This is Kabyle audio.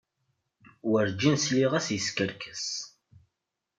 Werǧin sliɣ-as yeskerkes.